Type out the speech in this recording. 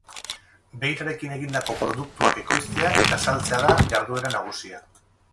Beirarekin egindako produktuak ekoiztea eta saltzea da jarduera nagusia.